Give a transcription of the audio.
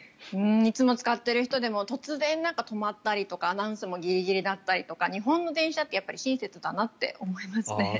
いつも使ってる人でも突然止まったりとかアナウンスもギリギリだったりとか日本の電車って親切だなって思いますね。